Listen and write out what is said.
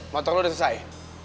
motor lo udah selesai